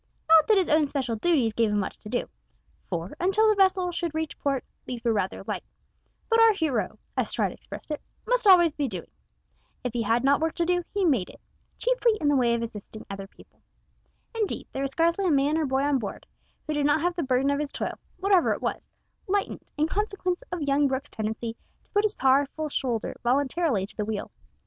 Not that his own special duties gave him much to do, for, until the vessel should reach port, these were rather light; but our hero as Stride expressed it "must always be doing." If he had not work to do he made it chiefly in the way of assisting other people. Indeed there was scarcely a man or boy on board who did not have the burden of his toil, whatever it was, lightened in consequence of young Brooke's tendency to put his powerful shoulder voluntarily to the wheel.